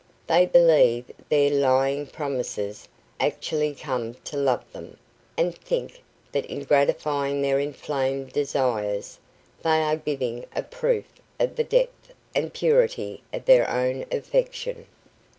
They believe their lying promises, actually come to love them, and think that in gratifying their inflamed desires, they are giving a proof of the depth and purity of their own affection.